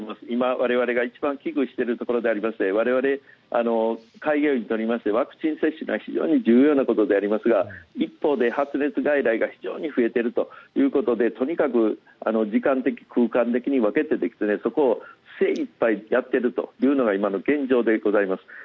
今、我々が一番危惧しているところでありまして我々開業医にとりましてワクチン接種が非常に重要なことでありますが一方で、発熱外来が非常に増えているということでとにかく時間的、空間的に分けてそこを精いっぱいやっているというのが今の現状でございます。